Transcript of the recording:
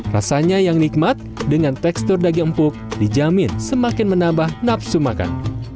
rasanya yang nikmat dengan tekstur daging empuk dijamin semakin menambah nafsu makan